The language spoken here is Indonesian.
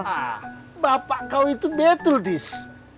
ah bapak kau itu betul dis